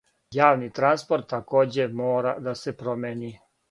Јавни транспорт такође мора да се промени.